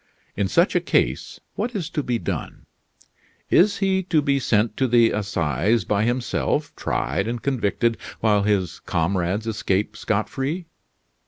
In such a case what is to be done? Is he to be sent to the Assizes by himself, tried and convicted, while his comrades escape scot free?